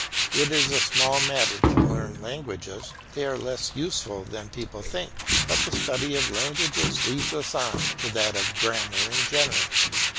It is a small matter to learn languages, they are less useful than people think; but the study of languages leads us on to that of grammar in general.